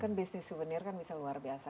kan bisnis souvenir kan bisa luar biasa